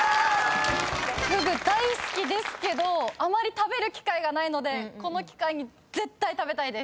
フグ大好きですけどあまり食べる機会がないのでこの機会に絶対食べたいです。